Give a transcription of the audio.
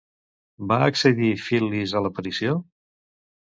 Va accedir Fil·lis a la petició?